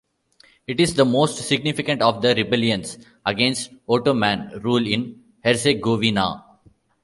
It is the most significant of the rebellions against Ottoman rule in Herzegovina.